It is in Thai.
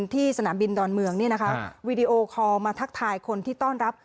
ที่สนามบินดอนเมืองเนี่ยนะคะวีดีโอคอลมาทักทายคนที่ต้อนรับ